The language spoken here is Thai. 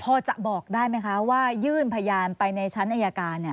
พอจะบอกได้ไหมคะว่ายื่นพยานไปในชั้นอายการ